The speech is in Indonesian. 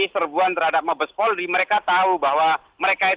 ter eduardo adalah bayaran terak simb chest